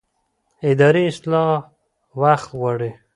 اداري اصلاح وخت غواړي